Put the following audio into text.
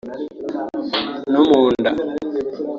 no mu nda